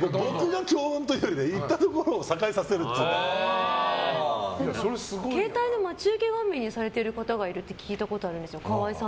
僕が強運というより行ったところを携帯の待ち受け画面にされてる方がいるって聞いたことがあるんですよ。